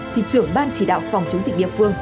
thì trưởng ban chỉ đạo phòng chống dịch địa phương